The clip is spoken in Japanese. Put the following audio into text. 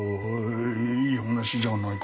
いい話じゃないか。